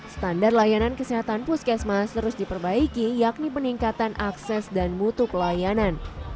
standar layanan kesehatan puskesmas terus diperbaiki yakni peningkatan akses dan mutu pelayanan